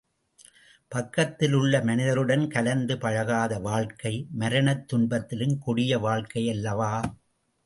பக்கத்தில் உள்ள மனிதருடன் கலந்து பழகாத வாழ்க்கை, மரணத் துன்பத்திலும் கொடிய வாழ்க்கையல்லவா?